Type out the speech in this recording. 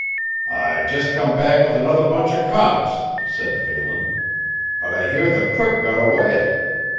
"I just come back with another bunch of cops," said Phelan, "but I hear the crook got away.